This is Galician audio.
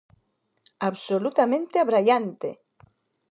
¡Absolutamente abraiante!